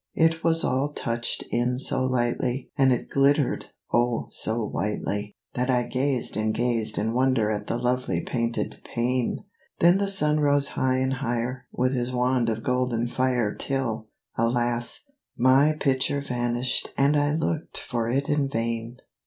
It was all touched in so lightly And it glittered, oh, so whitely, That I gazed and gazed in wonder at the lovely painted pane; Then the sun rose high and higher With his wand of golden fire Till, alas, my picture vanished and I looked for it in vain!